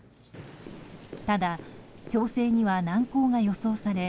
ただ、調整には難航が予想荒れ